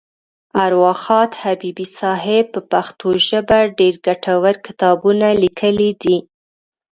اروا ښاد حبیبي صاحب په پښتو ژبه ډېر ګټور کتابونه لیکلي دي.